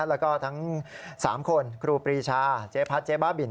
แล้วก็ทั้ง๓คนครูปรีชาเจ๊พัดเจ๊บ้าบิน